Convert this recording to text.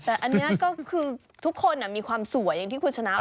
แต่อันนี้ก็คือทุกคนมีความสวยอย่างที่คุณชนะบอก